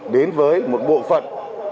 đến với một bộ phận